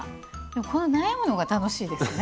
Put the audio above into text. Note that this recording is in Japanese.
この悩むのが楽しいですね。